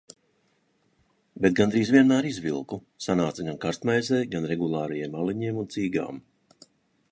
Bet gandrīz vienmēr izvilku, sanāca gan karstmaizei, gan regulārajiem aliņiem un cīgām.